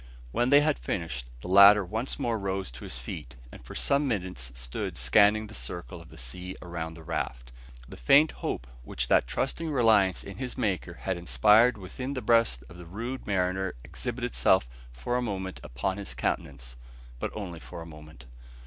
When they had finished, the latter once more rose to his feet, and for some minutes stood scanning the circle of sea around the raft. The faint hope which that trusting reliance in his Maker had inspired within the breast of the rude mariner exhibited itself for a moment upon his countenance, but only for a moment.